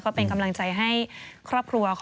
เป็นกำลังใจให้ครอบครัว